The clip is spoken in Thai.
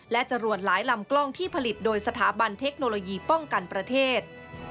และจรวดหลายลำกล้องที่ผลิตโดยสถาบันเทคโนโลยีป้องกันประเทศ